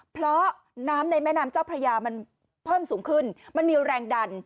เพราะน้ำในแม่น้ำเจ้าพระยามันเพิ่มสูงขึ้นมันมีแรงดัน